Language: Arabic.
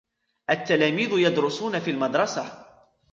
التلاميذ يدرسون في المدرسة.